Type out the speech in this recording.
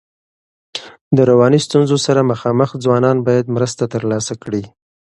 د رواني ستونزو سره مخامخ ځوانان باید مرسته ترلاسه کړي.